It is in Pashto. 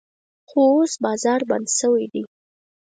خو اوس بازار بند شوی دی.